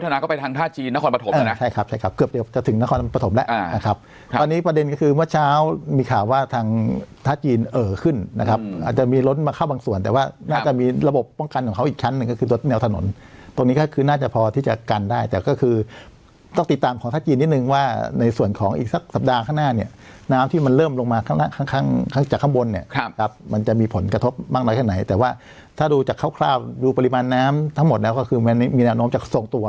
ตัวปลายคลองหมาทะวัดก็จะติดกับแม่น้ำท่าจีนครับตัวปลายคลองหมาทะวัดก็จะติดกับแม่น้ำท่าจีนครับตัวปลายคลองหมาทะวัดก็จะติดกับแม่น้ำท่าจีนครับตัวปลายคลองหมาทะวัดก็จะติดกับแม่น้ำท่าจีนครับตัวปลายคลองหมาทะวัดก็จะติดกับแม่น้ำท่าจีนครับตัวปลายคลองหมา